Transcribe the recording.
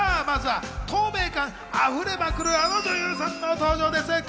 まずは透明感あふれまくる、あの女優さんの登場です。